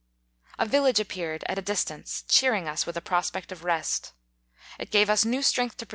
A village appeared at a distance, cheering us with a prospect of rest. It gave us new strength to.